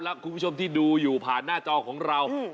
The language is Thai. และคุณผู้ชมที่ดูอยู่ผ่านหน้าจอของเรา